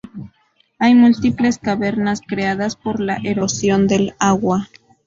Hay múltiples cavernas creadas por la erosión del agua.